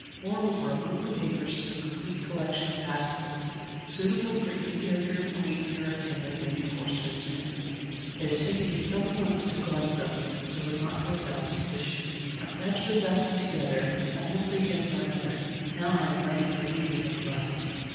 Moreover, among the papers is a complete collection of passports, suitable for any character the Queen and her attendant may be forced to assume. It has taken me some months to collect them, so as not to arouse suspicion; I gradually got them together, on one pretence or another: now I am ready for any eventuality